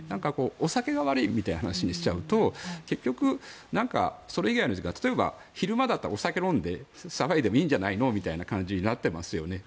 お酒が悪いみたいな話にしちゃうと結局、それ以外の時間昼間だったらお酒を飲んで騒いでもいいんじゃないのみたいな感じになっていますよね。